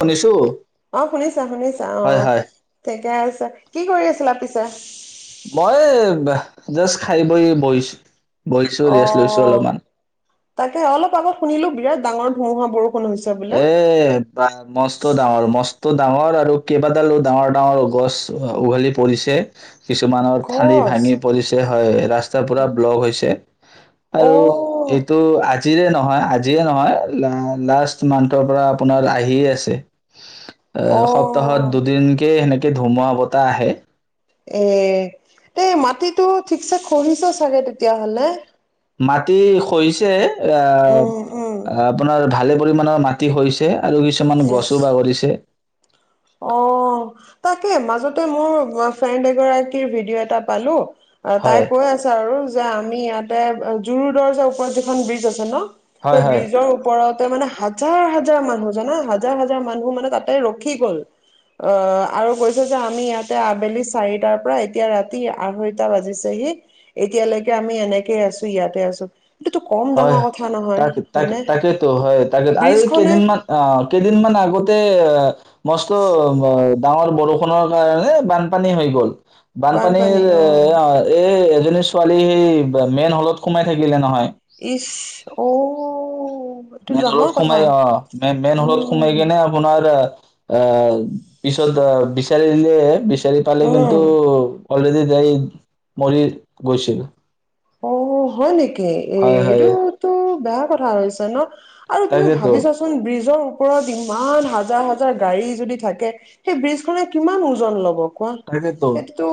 শুনিছো অ শুনিছা শুনিছা অ হয় হয় ঠিকে আছে কি কৰি আছিলা পিছ অহ ইচ মই জাষ্ট খাই বই বহিছো। বহিছো অ ৰেষ্ট লৈছো অলপমান তাকে অলপ আগত শুনিলো বিৰাট ডাঙৰ ধুমুহা বৰষুণ হৈছে বোলে এ বা মছট ডাঙৰ মছ ত' ডাঙৰ আৰু কেইবাদালো ডাঙৰ ডাঙৰ গছ উঘালি পৰিছে। কিছুমানৰ ঠালি কচ ভাঙি পৰিছে হয় ৰাস্তা পুৰা ব্লক হৈছে অ আৰু এইটো আজিৰে নহয় আজিয়ে নহয় লা লাষ্ট কিছুমান্তৰ পৰা আপোনাৰ আহিয়ে আছে এ অ সপ্তাহত দুদিন কে হেনেকে ধুমুহা বতাহ আহে এ এই মাটিতটো ঠিকছে খহিছে চাগে তেতিয়াহলে? মাটি খহিছে এইয়া উম উম আপোনাৰ ভালে পৰিমাণৰ মাটি হৈছে আৰু কিছুমান এ গছো বাগৰিছে। অ তাকে মাজতে মোৰ এই ফ্ৰেণ্ড এগৰাকীৰ ভিডিঅ' এটা পালোঁ। অ হয় তাই কৈ আছে আৰু, যে আমি ইয়াতে জুৰু দৰ্জৰ ওপৰত যিখন ব্ৰিজ আছে ন? হয় সেই হয় ব্ৰিজৰ ওপৰত, তাতে মানে হাজাৰ হাজাৰ মানুহ, জানা হাজাৰ হাজাৰ মানুহ মানে তাতে ৰখি গ'ল। অ আৰু কৈছে যে আমি ইয়াতে আবেলি চাৰিটাৰ পৰা এতিয়া ৰাতি আঢ়ৈটা বাজিছেহি এতিয়ালৈকে আমি এনেকেই আছো ইয়াতে আছোঁ। হয় তাক তাক তাকেতো, হয়, তাকে আৰু এই ব্ৰিজখনে কেইদিনমান অ কেইদিনমান আগত তে, মস্কো, এই ডাঙৰ বৰষুণৰ কাৰণে বানপানী হৈ গ'ল। বানপানীৰ, এ অ এই এজনী ছোৱালী মেইন হলত সোমাই থাকিলে নহয়। ইঈছ্, অঔ মেজৰত সোমাই অ, মেইন মেইন হ'লত সোমাই উম কিনে আপোনাৰ, অ, পিছত অ বিচাৰি দিলে। বিছ বিচাৰি পালে কিন্তু উম। অলৰেডি তাই মৰি গৈছিল। অ হয় নেকি? হয় হয় এইটোতো বেয়া কথা হৈছে ন! আৰু তুমি তাকেতো ভাবিছোৱা চোন, ব্ৰিজৰ [unintelligible] ইমান হাজাৰ হাজাৰ গাড়ী যদি থাকে, সেই ব্ৰিজ খনে কিমান ওজন ল'ব কোৱা? তাকেতো সেইটোতো,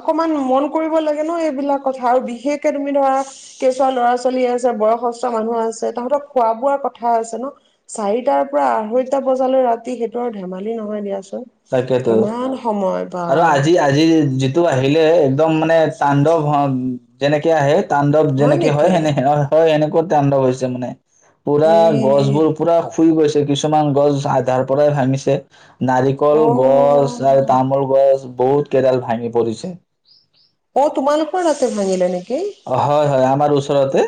অকমান মন কৰিব লাগে ন এইবিলাক কথা। আৰু বিশে শেষকে তুমি ধৰা কেঁচুৱা ল'ৰা ছোৱালী আছে, বয়সস্থ মানুহ আছে, তাহঁতক খোৱা বোৱা কথা আছে ন। চাৰিটাৰ পৰা আঢ়ৈটা বজালৈ ৰাতি সেইটো আৰু ধেমালি নহয় দিয়াচোন। তাকেইতো। কিমান সময় বা আৰু আজি আজি টো আহিলে একদম মানে তান্ডব যেনেকে আহে, তাণ্ডৱ যেনেকে হয়, সেনে হয়, সেনে কৈ তাণ্ডৱ হৈছে মানে। পুৰা এ গছ বোৰ পুৰা শুই গৈছে, কিছুমান গছ আধাৰ পৰাই ভাঙিছে, না কল গছ আৰু অ তামোল গছ, বহুত কেইডাল ভাঙি পৰিছে। অ', তোমালোকৰ তাতে ভাঙিলে নেকি? অ', হয়, হয় আমাৰ ওচৰতে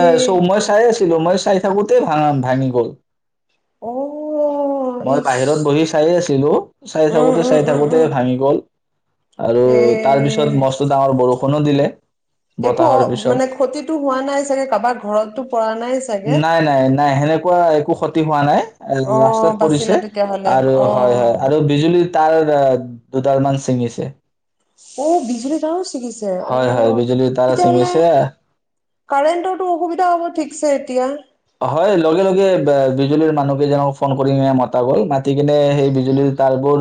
এ চৌ মই চাই আছো। মই চাই থাকোতে ভাঙা ভাঙি গ'ল। অ মই ইচ বাহিৰত বহি চায়ে আছিলো চাই উম থাকোতে উম চাই উম থাকোতে উম ভাঙি গ'ল। আৰু এ তাৰ পিছত মস্ত ডাঙৰ বৰষুণ কোনো দিলে। একো বতাহৰ পিছত মানে ক্ষতিতটো হোৱা নাই চাগে কাবাৰ ঘৰতটো পৰা নাই চাগে নাই নাই নাই সেনেকুৱা একো ক্ষতি হোৱা নাই। অ ৰাস্তাত বাচিলা পৰিছে তেতিয়াহ'লে আৰু অ হয়, হয় আৰু বিজুলী তাৰ দুডালমান ছিঙিছে। অ বিজুলী তাৰো হয়, হয় বিজুলীৰ তাৰো চিঙিছে। কাৰেণ্টৰটো অসুবিধা হ'ব ঠিকছে এতিয়া হয় লগে- লগে বিজুলীৰ মানুহ কেইজনক ফোন কৰিনে মতা গ'ল মাতি পিনে সেই বিজুলীৰ তাৰবোৰ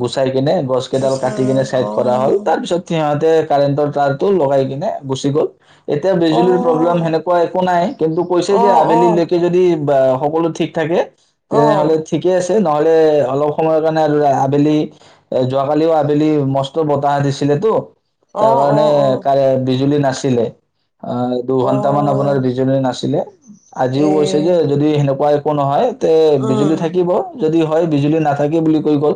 গুচাই কিনে গছ কেইডাল বুইছা কাটি কেনে চাইড অ কৰা হ'ল তাৰ পিছত সিহঁতে কাৰেণ্টৰ তাৰটো লগাই কিনে গুচি গ'ল। এতিয়া অ বিজুলীৰ প্ৰব্লেম সেনেকুৱা একো নাই। কিন্তু কৈছে অ যে অ আবেলিলৈকে যদি বা সকলো ঠিক থাকে। অ তেনেহ'লে ঠিকে আছিল। নহলে অলপ সময়ৰ কাৰণে আৰু আবেলি এ যোৱাকালিও আবেলি মস্ত বতাহ দিছিলেটো অ তাৰ অ কাৰণে কাৰে বিজুলী নাচ আছিলে। অ', দুঘন্টা মান আপোনাৰ বিজুলী না ছিলে। আজিও কৈছে এ যে যদি সেনেকুৱা একো নহয়। তে বিজুলী উম, থাকিব যদি হয় বিজুলী নাথাকে বুলি কৈ গ'ল।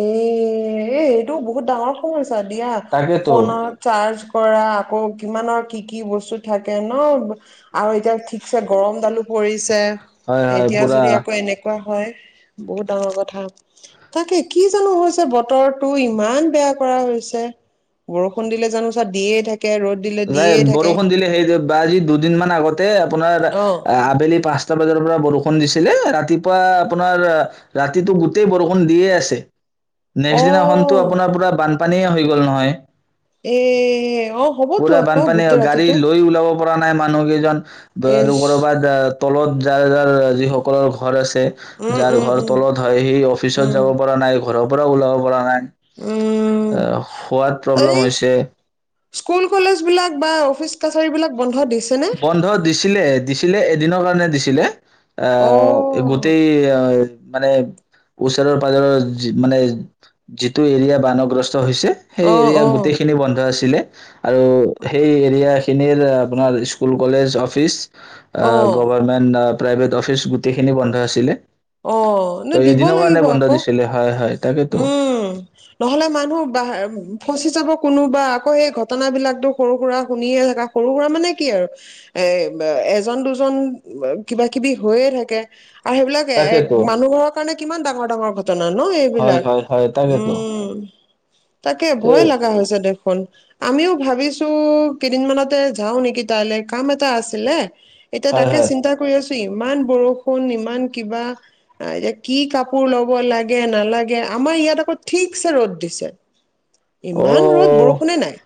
এ-এ এইটো বহুত ডাঙৰ সোন হৈছে। দিয়া তাকেতো ফোনত চাৰ্জ কৰা আকৌ কিমানৰ কি, কি বস্তু থাকে ন আৰু এতিয়া ঠিকছে গৰম ডালো পৰিছে। হয় হয় এতিয়া পুৰা যদি আকৌ এনেকুৱা হয় বহুত ডাঙৰ কথা তাকে কি জানো হৈছে বতৰ টো ইমান বেয়া কৰা হৈছে বৰষুণ দিলে জানো চা দিয়ে থাকে ৰ'দ দিলে দিয়ে নাই থাকে বৰষুণ দিলে সেই যে বা আজি দুদিন মমান আগত আপোনাৰ অ। আবেলি প বাৰৰ পৰা বৰষুণ দিছিলে ৰাতিপুৱা আপোনাৰ ৰাতিটো গোটেই বৰষুণ দিয়ে আছে অ নেক্স দিনাখন আপোনাৰ পৰা পানীয়ে হৈ গ'ল নহয় এ অ হ'বতো পুৰা আকৌ গোটেই বানপানীয়ে গাড়ী ৰাতিটো। লৈ ওলাব পৰা নাই মানুহ কেইজন আৰু ইচ কৰবাত তলত যাৰ যাৰ যিসকলৰ ঘৰ আছে উম যাৰ উম ঘৰ উম তলত হয় সি অফিচত উম। যাব পৰা নাই ঘৰৰ পৰা ওলাব পৰা হয় উম, এ সোৱাদ এই প্ৰব্লেম হৈছে স্কুল কলেজ বিলাক বা অফিচ কাচাৰী বিলাক বন্ধ দি বন্ধ দিছিলে দিছিলে এদিনৰ কাৰণে দিছিলে আহ অ', গোটেই আহ মানে ওচৰৰ পাজৰৰ মানে যিটো এৰিয়া বানগ্ৰস্ত সেই অ', এৰিয়া অ', গোটেইখিনি বন্ধ আছিলে আৰু সেই এৰিয়া খিনিৰ আপোনাৰ স্কুল কলেজ অফিচ অ', গভমেণ্ট ন প্ৰাইভেট অফিচ গোটেইখিনি বন্ধ আছিলে অ ন ত দিব এদিনৰ কাৰণে লাগিব বন্ধ আকৌ দিছিলে হয় হয় তাকেতো উম নহলে মানুহ ব ফচি যাব কোনোবা আকৌ সেই ঘটনাবলাকো সৰু সুৰা শুনিয়ে থাককা সৰু সুৰা মানে কি আৰু এ এজন দুজন কিবা কিবি হৈয়ে থাকে আৰু াকে তাকেতো মানুহোৰৰ কাৰণে কিমান ডাঙৰ ডাঙৰ ঘটনা ন হয় এইবিলাক হয় হয় তাকেতো উম তাকে তে ভয় লগা হৈছে দেখ আমিও ভাবিছো কেইদিনমানানতে যাও নেকি তাইলৈ কাম এটা আছিলে এতিয়া হয় তাকে হয় চিন্তা কৰি আছো ইমান বৰষুণ ইমান কিবা এ কি কাপোৰ ল'ব লাগে নালাগে আমাৰ ইয়াত আকৌ ঠিকছে ৰ'দ দিছে অ ইমান ৰত বৰষুণে নাই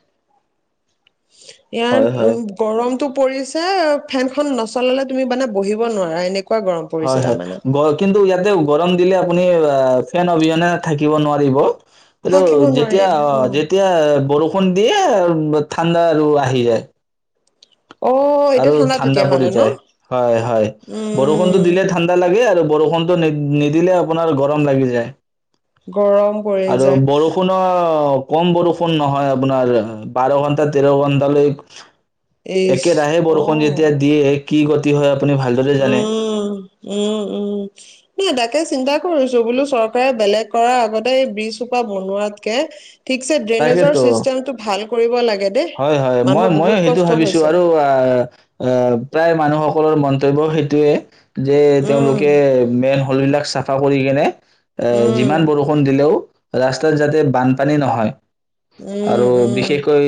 হয় হয় ইয়াৰ গৰমটো পৰিছে ফেনখন নচলালে তুমি মানে বহিব নোৱাৰা এনেকুৱা গৰম পৰিছে হয় হয় তাৰমানে গ কিন্তু ইয়াতে গৰম দিলে আপুনি অ ফেন অবিহনে থাকিব নোৱাৰিব এইটো থাকিব নোৱাৰি যেতিয়া অ যেতিয়া বৰষুণ দে আৰ ঠাণ্ডা আৰু আহি যায় অ এতিয়া আৰু ঠাণ্ডা পৰি তেতিয়াহ'লে ন যায় হয় হয় বৰষুণতটো উম দিলে ঠাণ্ডা লাগে আৰু বৰষুণটো নিদিলে আপোনাৰ গৰম লাগি যায় গৰম পৰি আৰু যায় বৰষুণৰ কম বৰষুণ নহয় আপোনাৰ বাৰ ঘন্টা তেৰ ঘন্টালৈ ইচ একেৰাহে বৰষুণ অ', যেতিয়া দিয়ে কি গতি হয় আপুনি ভালদৰে জানে উম উম উম নাই তাকে চিন্তা কৰিছো বোলো চৰকাৰে বেলেগ কৰাৰ আগতে এই ব্ৰিচ সোপা বনোৱাতকে ঠিকছে ড্ৰেইনেজৰ তাকেতো ছিষ্টেমটো ভাল কৰিব লাগে দেই। হয় হয় মই মানুহৰ ময়ো বহুত সেইটো কষ্ট ভাবিছো হৈছে। আৰু আহ প্ৰায় মানুহক সকলৰ মন্তব্য সেইটোৱে যে উম, তেওঁলোকে মেন হলবিলাক চাফা কৰি কেনে এ উম, যিমান বৰষুণ দিলেও ৰাস্তাত যাতে বানপানী নহয় উম, আৰু উম, বিশেষকৈ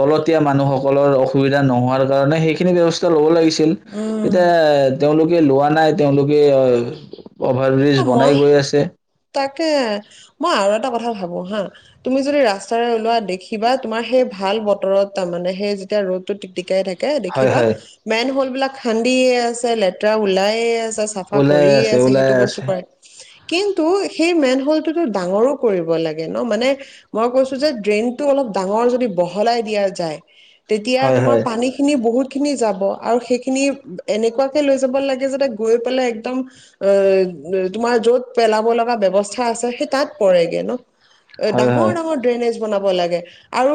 তলতিযা মানুসকলৰ অসুবিধা নহ কাৰণে সেইখিনি ব্যৱস্থাৰ ল লাগি উম। এতিয়া তেওঁলোক লোৱা নাই তেওঁলোকে অ অভাৰ ব্ৰীজ অ', বনাই মই গৈ আছে তাকে মই আৰু এটা কথা ভাবো হা তুমি যদি ৰাস্তাৰে ওলোৱা দেখিবা তোমাৰ সেই ভাল বতৰত তাৰ মানে সেই যেতিয়া ৰ'দ টো টিকটিকাই থাকে এ হয় দেখিবা হয় মেন হল বিলাক দি আছে লেতেৰা ওলায়েই আ চাফা ওলাই কৰি আছে ওলাই সেইটো বস্তু আছে কৰে কিন তু সেই মেন হলটোতো ডাঙৰো কৰিব লাগে ন মানে মই কৈছো যে ড্ৰেইনটো অলপ ডাঙৰ যদি বহলাই দিয়া যায় তেতিয়া হয় তোমাৰ হয় পানীখিনি বহুত কেনি যাব আৰু সেইখিনি এনেকুৱাকে লৈ যাব লাগে যাতে গৈ পেলাই একদম তোমাৰ য'ত পেলাব লগা ব্যৱস্থা আছে সেই তাত পৰেগে ন হয় হয় ডাঙৰ ডাঙৰ ড্ৰেনেজ বনাব লাগে আৰু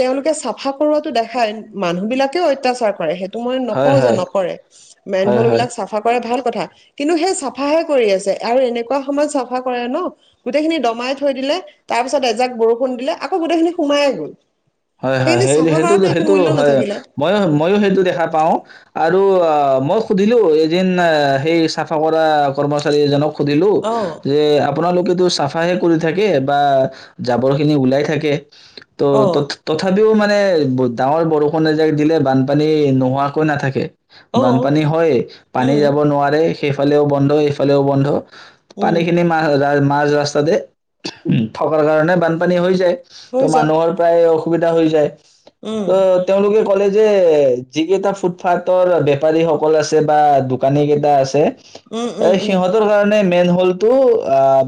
তেওঁলোকে চাফা কৰোৱটো দেখায় মানুহ বিলাকেও অত্যাচাৰ কৰে সে তো মই হয় নকওঁ যে হয় নকৰে মেইন হয় ভল হয় বিলাক চাফা কৰে ভাল কথা কিন্তু সেই চাফাহে কৰি আছে আৰু এনে এনেকুৱা সময়ত চাফা কৰে ন গোটেইখিনি দমাই থৈ দিলে তাৰ পিছত এজাক বৰষুণ দিলে আকৌ গোটেইখিনি সোমাই গ'ল হয় হয় সেইখিনি সেই চাফা সেইটো কৰাটো একো সেইটো মূল্য হয় নাথাকিলে। মইয়ো মইয়ো সেইটো দেখা পাও আৰু আ মই সুধিলোঁ এদিন সেই চাফা কৰা কৰ্মচাৰী এজনক সুধিলো অ', যে আপোনালোকেতো চাফ চাফাহে কৰি থাকে বা জাবৰ খিনি গোলাই থাকে ত তত অ', তথাপিও মানে ডাঙৰ বৰষুণ এজাক দিলে বানপানী নোহোৱাকৈ নাথাকে অ', বানপানী হৈ পানী উম, যাব নোৱাৰে। সেইফালেও বন্ধ এইফালেও বন্ধ পানী উম, খিনি মা [inaudible] মাজ ৰাস্তাতে থকাৰ কাৰণে বানপানী হৈ যায় হৈ ত' যায়। মানুহৰ প্ৰায় সুবিধা হৈ যায় উম, ও তেওঁলোকে ক'লে যে যি কেইটা ফুটপাথৰ বেপাৰী সকল আছে বা দোকানী কেইটা আছে উম, এ উম, উম, সিহঁতৰ কাৰণে মেইন হলটো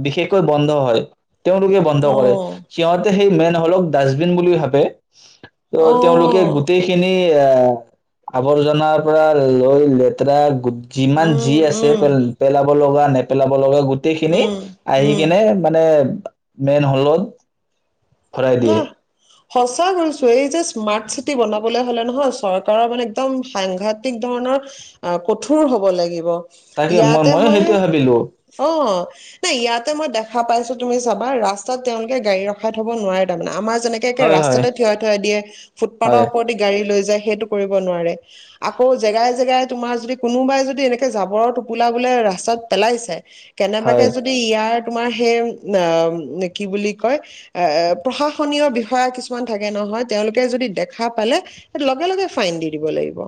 বিশেষকৈ বন্ধ হয় তেওঁলোকে বন্ধ কৰে অ', সিহঁতে সেই মেন হ'ওক ডাষ্টবিন বুলি ভাবে ত [inaudible] ত তেওঁলোকে অ', গোটেইখিনি এ আৱৰ্জনাৰ পৰা লৈ লেতেৰা [unintelligible] যিমান যি উম, আছে উম, পেলাব লগা নে পেলাব লগা গ গোটেই খিনি উম, আহি উম, কিনে মানে মেইন হলত খুৰাই দিয়ে নাহ সঁচা কৈছো এই যে স্মাৰ্ট চিটি বনাবলে হ'লে নহয় চৰকাৰৰ মানে একদম সাংঘাতিক ধৰণৰ কঠোৰ হ'ব লাগিব তাকে ইয়াতে ময়ো মই সেইটোৱে ভাবিলো অ নাই ইয়াতে মই দেখ দেখা পাইছোঁ তুমি চাবা ৰাস্তাত তেওঁলোকে গাড়ী ৰখা থব নোৱাৰে তাৰ মানে আম যেনেকে হয় হয় ৰাস্তাতে থিয়াই থৈই দিয় ফুটফাথৰ হয় ওপৰেদি গাড়ী লৈ যায়। সেইটো কৰিব নোৱাৰে আকৌ জেগাই জেগাই তোমাৰ যদি কোনোবাই যদি এনেকে জাঁবৰৰ টোপোলা বোলে ৰাস্তাত পেলাইছে হয় কেনেবাকে যদি ইয়াৰ তোমাৰ সেই অ কি বুলি কয় প্ৰশাসনীয় বিষয়া কিছুমান থাকে নহয় তেওঁলোকে যদি দেখা পালে লগে লগে ফাইন দি দিব লাগিব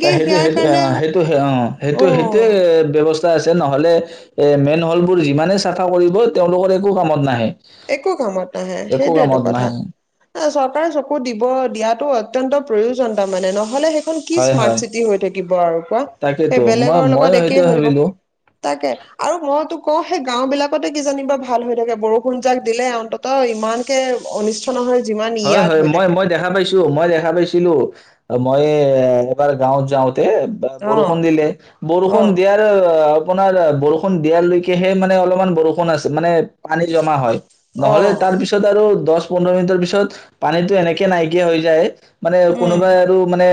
ত সেইটো ইয়াৰ সেইটো অ কাৰণে সেইটো অ সেইটো সেইটো অ ব্যয়ৱস্থা আছে তে নহ'লে এ মেইন হ'ল বোৰ ইমানে চাফা কৰিব তেওঁলোকৰ একো কামত নাহে। একো কামত নাহে একো সেইটোটো কামত কথা নাহে চব চকু দিব দিয়াটো অত্যন্ত প্ৰয়োজনতাৰ মানে নহ'লে কি হয় স্মাৰট হয় চি হৈ থাকিব আৰু কোৱা সেই তাকেতো মই বেলেগৰ লগত ময়ো একেই সেইটোৱে হৈ থাক ভাবিলো তাকে আৰু মই কওঁ সেই গাওঁ বিলাকতে কিজানিব বা ভাল হৈ থাকে বৰষু বৰষূণ যাক দিলে অন্তত ইমানকে অনিষ্ট নহয় যিমান হয় ইয়াত হয় হৈ মই থাকে। মই দেখা পাইছোঁ মই ভাবিছিলোঁ মই এ এবাৰ গাঁৱত যাওঁ তে বা বৰষুণ অ', দিলে বৰষুণ দিয়াৰ অ আপোনাৰ বৰষুণ দিয়ালৈকেহে মানে অলপমান বৰষুণ আছে মানে পানী জমা হয় নহ'লে অ', তাৰ পিছত আৰু দহ পোধৰ মিনিটৰ পিছত পানীতো এনেকে নাইকিয়া হৈ যায় মানে উম, কোনোবাই আৰু মানে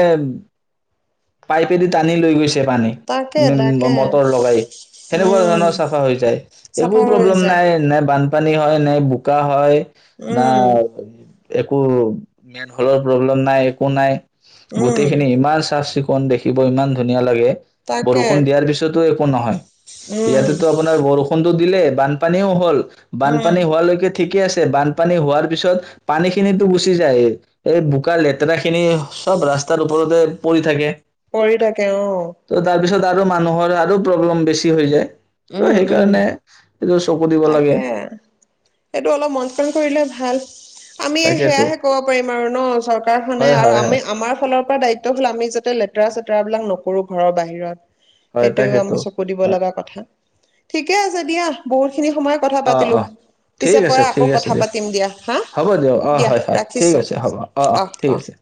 পাইপেদি টানি লৈ গৈছে পানী তাকে উ তাকে মটৰ লগাই সেনেকুৱা উম, জানা চাফা হৈ যায় একো চাফা হৈ প্ৰবলেম যায়। নাই বান‌ ব পানী হয় নাই বোকা হয় ন উম, একো মন হলৰ প্ৰব্লেম নাই একো নাই গোটেই উম, খিনি ইমান চাফ চিকুণ কণ দেখিব ইমান ধুনীয়া লাগে তাকে বৰষুণ দিয়াৰ পিছতো একো নহয় উম, ইয়াতেতো আপোনাৰ বৰষুণ টো দিলে বানপানীও হ'ল বানপানী উম। হোৱালৈকে ঠিকে আছে বানপানী হোৱাৰ পিছত পানী খিনিতো গুচি যায় এই বোকা লেতেৰা খিনি সব ৰাস্তাৰ ওপৰতে পৰি থাকে পঢ়ি থাকে অ ত' তাৰপিছত আৰু মানুহৰ আৰু প্ৰব্লেম বেছি হৈ যায় ত উম, উম। সেইকাৰণে চকু দিব লাগে তাকে এইটো অলপ মন কন কৰিলে ভাল উ আমি তাকেতো সেয়াহে ক'ব পাৰিম আৰু ন চৰকাৰখনে হয় আৰু হয় আমি হয় আমাৰ ফালৰ পৰা দায়িত্ব হ'ল আমি যাতে লেতেৰা চেতেৰাবলাক নকো সৰু ঘৰৰ বাহিৰত হয় সেইটোও আমি তাকেতো চকু দিব হয় লগা কথা ঠিকে আছে দিয়া বহুত সখিনি সময়ত কথা অ পাতিলো অ ঠিক পিছে আছে পৰা আকৌ ঠিক আছে কথা দিয়ক পাতিম দিয়া হা হ'ব দিয়ক অ দিয়া হয় হয় ঠিক ৰাখিছো আছে হ'ব অ অ আহ ঠিক আহ আছে